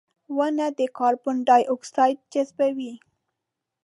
• ونه د کاربن ډای اکساید جذبوي.